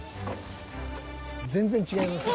全然違いますね。